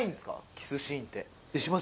キスシーンって。